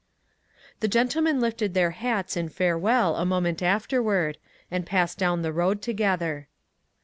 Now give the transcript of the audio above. The gentlemen lifted their hats in fare well a moment afterward, and passed down the road together.